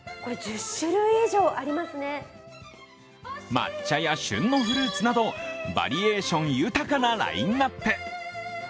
抹茶や旬のフルーツなどバリエーション豊かなラインナップ。